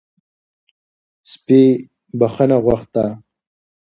سپي بښنه غوښته